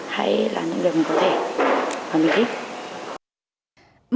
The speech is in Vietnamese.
hãy làm những điều mình có thể